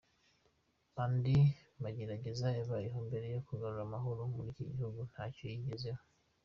Andi magerageza yabayeho mbere yo kugarura amahoro muri iki gihugu, ntacyo yagezeho.